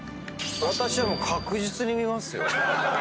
私は確実に見ますよ。